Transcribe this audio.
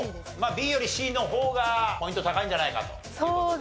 ＢよりＣの方がポイント高いんじゃないかという事で。